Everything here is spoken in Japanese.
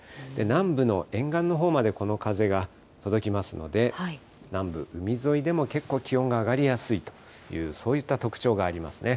南部の沿岸のほうまでこの風が届きますので、南部、海沿いでも結構気温が上がりやすいという、そういった特徴がありますね。